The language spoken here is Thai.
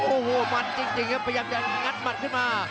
โอ้โหมันจริงครับพยายามจะงัดหมัดขึ้นมา